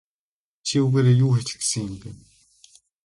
Чи үүгээрээ юу хэлэх гэсэн юм бэ?